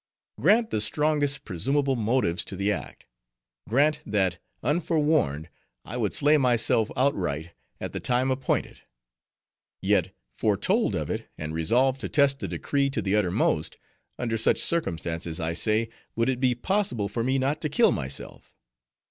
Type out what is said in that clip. Grant the strongest presumable motives to the act; grant that, unforewarned, I would slay myself outright at the time appointed: yet, foretold of it, and resolved to test the decree to the uttermost, under such circumstances, I say, would it be possible for me not to kill myself?